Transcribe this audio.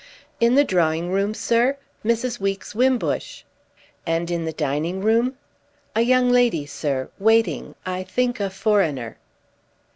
"In the drawing room, sir? Mrs. Weeks Wimbush." "And in the dining room?" "A young lady, sir—waiting: I think a foreigner."